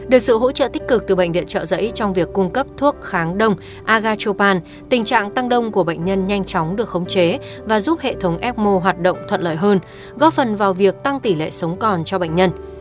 được sự hỗ trợ tích cực từ bệnh viện trợ giấy trong việc cung cấp thuốc kháng đông aga chopan tình trạng tăng đông của bệnh nhân nhanh chóng được khống chế và giúp hệ thống ecmo hoạt động thuận lợi hơn góp phần vào việc tăng tỷ lệ sống còn cho bệnh nhân